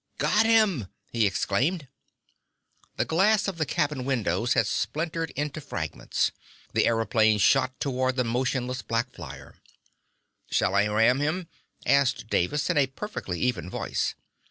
"Got him!" he exclaimed. The glass of the cabin windows had splintered into fragments. The aëroplane shot toward the motionless black flyer. "Shall I ram?" asked Davis in a perfectly even voice.